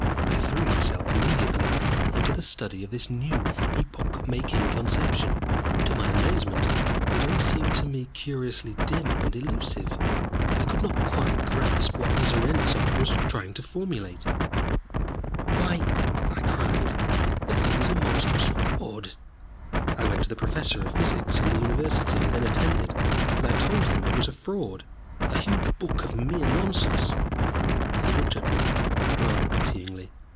I threw myself immediately into the study of this new, epoch making conception. To my amazement, it all seemed to me curiously dim and elusive. I could not quite grasp what Zarentzov was trying to formulate. "Why," I cried, "the thing is a monstrous fraud!" I went to the professor of Physics in the University I then attended, and I told him it was a fraud, a huge book of mere nonsense. He looked at me rather pityingly.